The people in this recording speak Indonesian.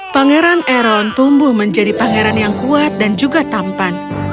pangeran eron tumbuh menjadi pangeran yang kuat dan juga tampan